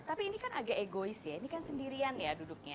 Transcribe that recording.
tapi ini kan agak egois ya ini kan sendirian ya duduknya